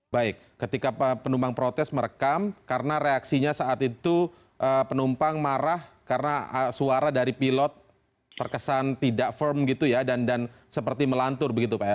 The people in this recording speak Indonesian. baik ketika penumpang protes merekam karena reaksinya saat itu penumpang marah karena suara dari pilot terkesan tidak firm gitu ya dan seperti melantur begitu pak ya